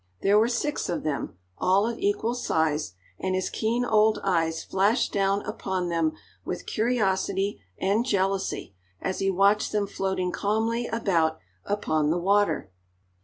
There were six of them, all of equal size, and his keen old eyes flashed down upon them with curiosity and jealousy as he watched them floating calmly about upon the water.